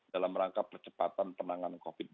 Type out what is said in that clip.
dalam rangka percepatan penanganan covid